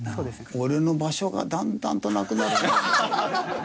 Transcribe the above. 俺の場所がだんだんとなくなる。